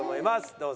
どうぞ。